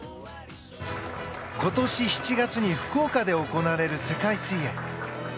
今年７月に福岡で行われる世界水泳。